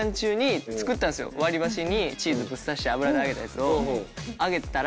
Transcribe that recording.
割り箸にチーズぶっ刺して油で揚げたやつをあげたら。